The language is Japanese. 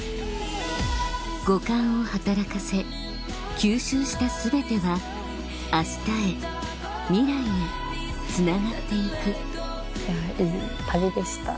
五感を働かせ吸収した全ては明日へ未来へつながって行くいい旅でした。